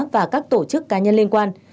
và các tổ chức cá nhân liên quan